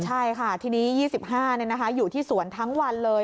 ใช่ค่ะทีนี้๒๕อยู่ที่สวนทั้งวันเลย